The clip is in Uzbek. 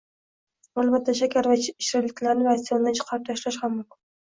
Albatta shakar va shirinliklarni ratsiondan chiqarib tashlash ham mumkin